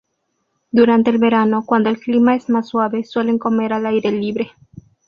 Durante el verano, cuando el clima es más suave, suelen comer al aire libre.